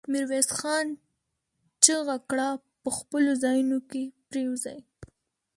ميرويس خان چيغه کړه! په خپلو ځايونو کې پرېوځي.